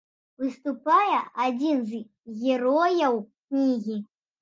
Выступае адзін з герояў кнігі.